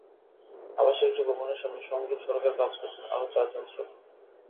আবাসিক একটি ভবনের সামনে সংযোগ সড়কের কাজ করছেন আরও চারজন শ্রমিক।